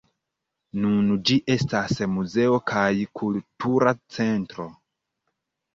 Nun ĝi estas muzeo kaj kultura centro.